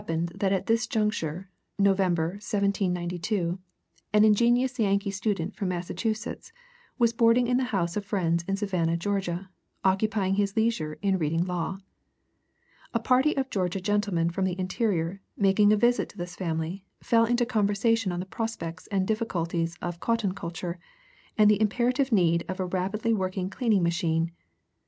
] [Sidenote: Memoir of Eli Whitney, "American Journal of Science," 1832.] It so happened that at this juncture, November, 1792, an ingenious Yankee student from Massachusetts was boarding in the house of friends in Savannah, Georgia, occupying his leisure in reading law. A party of Georgia gentlemen from the interior, making a visit to this family, fell into conversation on the prospects and difficulties of cotton culture and the imperative need of a rapidly working cleaning machine.